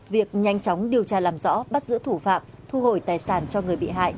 việc nhanh chóng điều tra làm rõ bắt giữ thủ phạm thu hồi tài sản cho người bị hại